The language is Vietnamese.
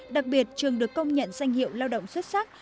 đặc biệt trường được công nhận danh hiệu lao động xuất sắc